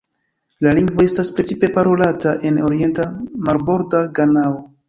La lingvo estas precipe parolata en orienta marborda Ganao.